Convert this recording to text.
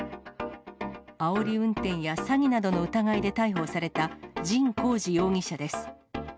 あおり運転や詐欺などの疑いで逮捕された神こうじ容疑者です。